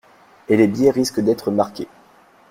Et les billets risquent d'être marqués.